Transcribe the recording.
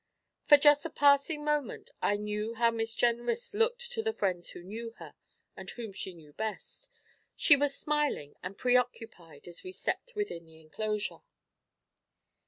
For just a passing moment I knew how Miss Jenrys looked to the friends who knew her, and whom she knew best. She was smiling and preoccupied as we stepped within the inclosure.